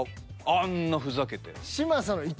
あんなふざけて。